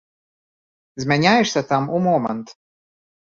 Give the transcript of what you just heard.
Змяняешся там у момант.